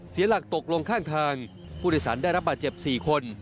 เสียหลักตกลงข้างทางผู้โดยสารได้รับบาดเจ็บ๔คน